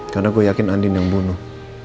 karena gue yakin andin yang bunuh